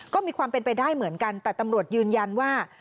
ก็มีความเป็นไปได้เหมือนกันแต่ตำรวจยืนยันว่า